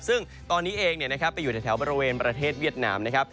ซึ่งตอนนี้เองไปอยู่ในแถวบริเวณประเทศเวียดนามนะครับ